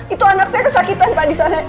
itu anak saya kesakitan pak disana